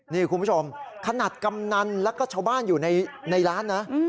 นี่คุณผู้ชมขนาดกำนันแล้วก็ชาวบ้านอยู่ในร้านนะ